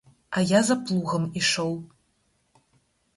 А я за плугам ішоў.